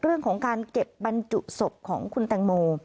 เรื่องของการเก็บบรรจุศพของคุณแตงโม